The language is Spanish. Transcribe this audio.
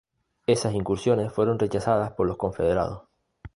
Esas incursiones fueron rechazadas por los confederados.